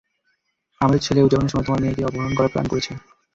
আমাদের ছেলে উদযাপনের সময় তোমার মেয়েকে অপহরণ করার প্ল্যান করেছে।